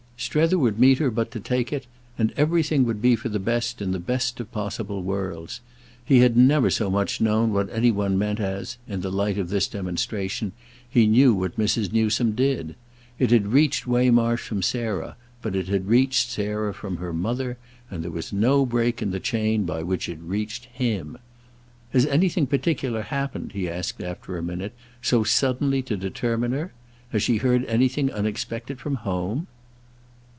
Strether would meet her but to take it, and everything would be for the best in the best of possible worlds. He had never so much known what any one meant as, in the light of this demonstration, he knew what Mrs. Newsome did. It had reached Waymarsh from Sarah, but it had reached Sarah from her mother, and there was no break in the chain by which it reached him. "Has anything particular happened," he asked after a minute—"so suddenly to determine her? Has she heard anything unexpected from home?"